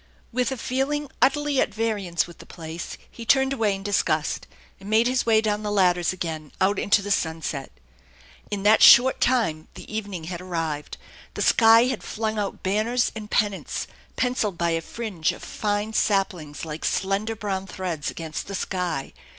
With a feeling utterly at variance with the place he turned away in disgust, and made his way down the ladders again, out into the sunset. In that short time the evening had arrived. The sky had flung out banners and pennants, pencilled by a fringe of fine saplings like slender brown threads against the sky.